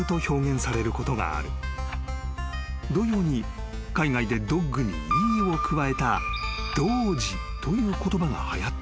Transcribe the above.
［同様に海外でＤＯＧに「Ｅ」を加えたＤＯＧＥという言葉がはやった］